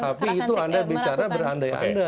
tapi itu anda bicara berandai andai